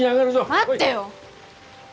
待ってよ！